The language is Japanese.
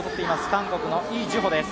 韓国のイ・ジュホです。